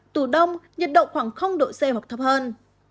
tù đông nhiệt độ khoảng độ c hoặc thấp hơn